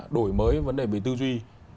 đổi mới vấn đề về tư duy